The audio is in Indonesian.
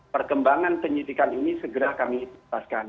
perkembangan penyidikan ini segera kami jelaskan